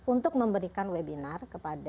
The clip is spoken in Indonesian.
untuk memberikan webinar